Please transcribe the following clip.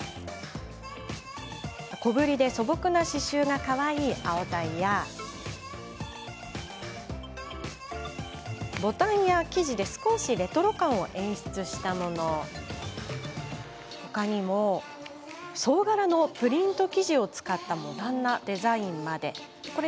小ぶりで素朴な刺しゅうがかわいいアオザイやボタンや生地で少しレトロ感を演出したもの総柄のプリント生地を使ったモダンなデザインまで。